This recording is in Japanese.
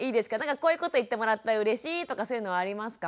こういうこと言ってもらったらうれしいとかそういうのはありますか？